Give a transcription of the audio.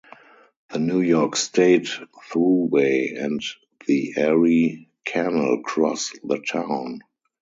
The New York State Thruway and the Erie Canal cross the town.